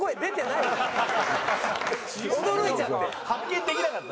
驚いちゃって。